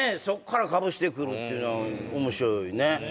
そっからかぶしてくるっていうの面白いね